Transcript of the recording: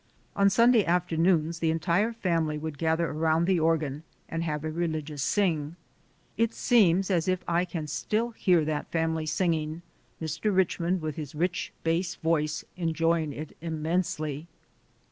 On Sunday afternoons the entire family would gather around the organ and have a religious "sing." If seems as if I can still hear that family singing, Mr. Richmond with his rich bass voice enjoying it immensely.